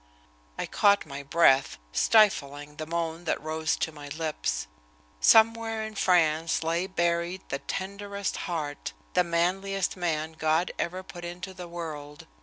I caught my breath, stifling the moan that rose to my lips. Somewhere in France lay buried the tenderest heart, the manliest man God ever put into the world.